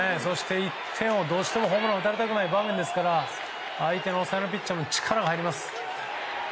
どうしてもホームランを打たれたくない場面ですから相手ピッチャーも力が入ります。